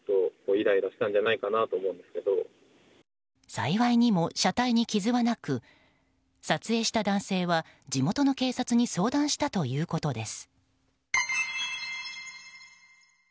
幸いにも車体に傷はなく撮影した男性は地元の警察に相談したということです。